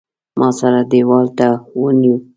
ما سره دېوال ته ونیو.